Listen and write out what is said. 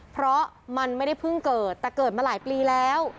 เพราะมันไม่ได้เพิ่งเกิดแต่เกิดมาหลายปีแล้ว